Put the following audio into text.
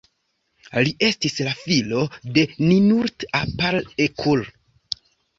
Li estis la filo de Ninurta-apal-ekur.